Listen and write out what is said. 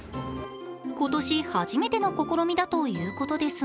今年初めての試みだということですが